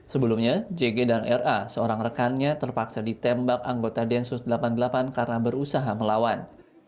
sebelumnya jg dan ra seorang rekannya terpaksa ditembak anggota densus delapan puluh delapan karena berusaha melawan